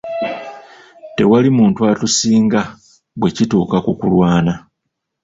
Tewali muntu atusinga bwe kituuka ku kulwana.